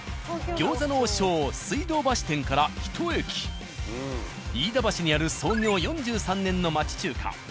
「餃子の王将水道橋店」から１駅飯田橋にある創業４３年の町中華。